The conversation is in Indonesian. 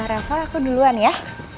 rafa aku duluan ya